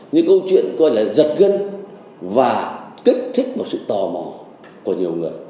những câu chuyện gọi là giật gân và kích thích vào sự tò mò của nhiều người